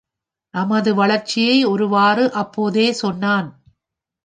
நமது வளர்ச்சியை ஒருவாறு அப்போதே சொன்னான்.